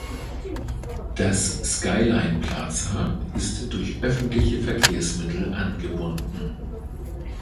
Das Skyline Plaza ist durch öffentliche Verkehrsmittel angebunden.